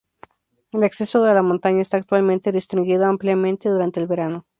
El acceso a la montaña está actualmente restringido ampliamente durante el verano.